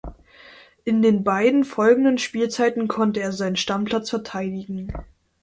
In den beiden folgenden Spielzeiten konnte er seinen Stammplatz verteidigen.